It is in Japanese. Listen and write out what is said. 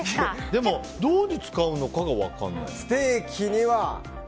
でもどういうふうに使うのかが分からない。